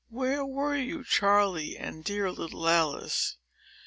Where were you, Charley, and dear little Alice?